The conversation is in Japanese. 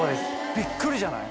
びっくりじゃない？